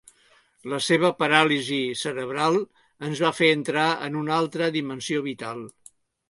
La seva paràlisi cerebral ens va fer entrar en una altra dimensió vital.